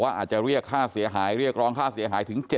อาจจะเรียกค่าเสียหายเรียกร้องค่าเสียหายถึง๗๐